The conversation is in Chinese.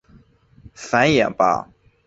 繁衍吧！